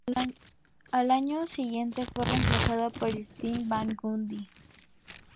Al año siguiente fue reemplazado por Stan Van Gundy.